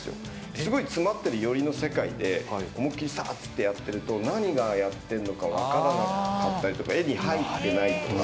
すごい詰まってる寄りの世界で、思いっ切りさっとやってると何がやってるのか分からなかったりとか、絵に入ってないとか。